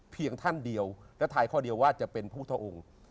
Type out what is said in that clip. ท่านเดียวและทายข้อเดียวว่าจะเป็นพุทธองค์